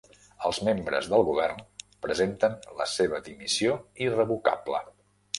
Els membres del govern presenten la seva dimissió irrevocable